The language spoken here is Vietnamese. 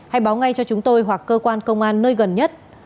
hãy báo ngay cho chúng tôi hoặc cơ quan công an nơi gần nhất